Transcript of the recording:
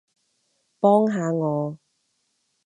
幫下我